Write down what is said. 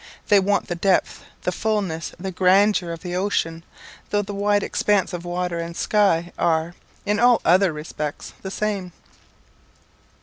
They want the depth, the fulness, the grandeur of the ocean, though the wide expanse of water and sky are, in all other respects, the same.